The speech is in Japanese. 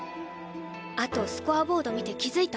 あとスコアボード見て気付いた？